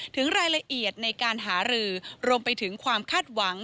ถึงรายละเอียดในการหารือรวมไปถึงความคาดหวัง